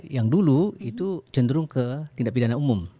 yang dulu itu cenderung ke tindak pidana umum